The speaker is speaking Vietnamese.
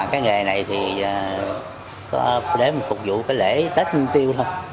cái nghề này thì có đến phục vụ cái lễ tết nguyên tiêu thôi